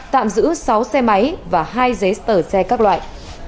tạm giữ sáu xe máy và hai giấy tờ xe các loại